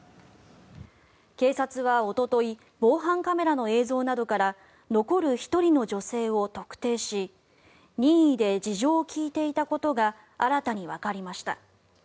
警察は、おととい防犯カメラの映像などから残る１人の女性を特定し任意で事情を聴いていたことが新たにわかりました。